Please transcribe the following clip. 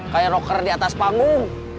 kayak rocker di atas panggung